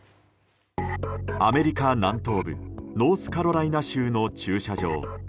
アメリカ南東部ノースカロライナ州の駐車場。